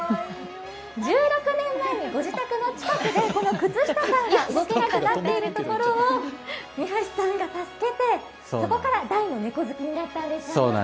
１６年前にご自宅の近くでこの靴下さんが動けなくなっているところを二橋さんが助けてそこから大の猫好きになったんですね。